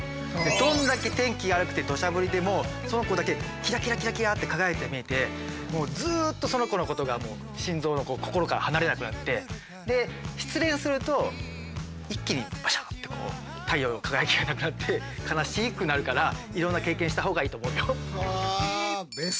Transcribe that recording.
どんだけ天気が悪くてどしゃ降りでもその子だけキラキラキラキラって輝いて見えてずっとその子のことが心臓の心から離れなくなってで失恋すると一気にバシャッて太陽の輝きがなくなって悲しくなるからいろんな経験した方がいいと思うよ。